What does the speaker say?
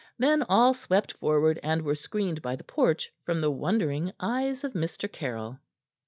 Then all swept forward and were screened by the porch from the wondering eyes of Mr. Caryll.